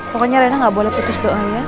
pokoknya rena gak boleh putus doa ya